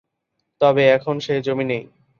তবে এখন সে জমি নেই।